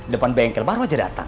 depan bengkel baru aja datang